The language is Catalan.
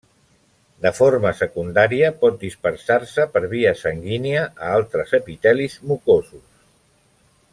De forma secundària pot dispersar-se per via sanguínia a altres epitelis mucosos.